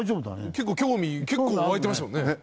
結構興味湧いてましたもんね。